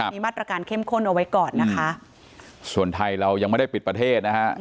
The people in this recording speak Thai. มีมาตรการเข้มข้นเอาไว้ก่อนนะคะส่วนไทยเรายังไม่ได้ปิดประเทศนะฮะ